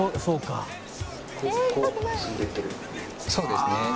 そうですね。